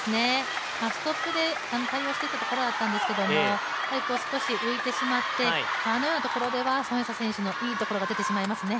ストップで対応していたところだったんですけれども、少し浮いてしまって、あのようなところでは孫エイ莎選手のいいところが出てしまいますね。